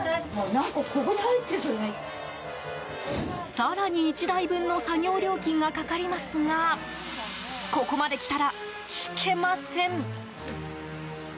更に１台分の作業料金がかかりますがここまで来たら、引けません。